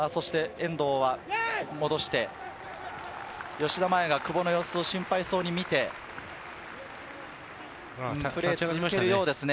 遠藤は戻して、吉田麻也が久保の様子を心配そうに見て、ただプレーを続けるようですね。